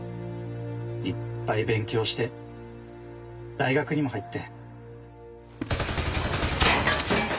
いっぱい勉強して大学にも入って。